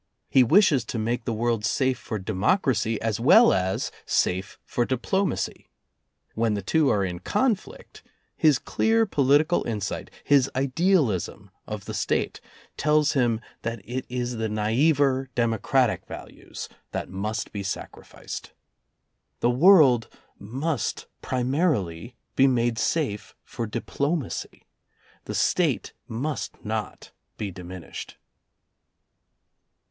He wishes to make the world safe for democracy as well as safe for diplomacy. When the two are in conflict, his clear political insight, his idealism of the State, tells him that it is the naiver democratic values that must be sacrificed. The world must pri marily be made safe for diplomacy. The State must not be diminished.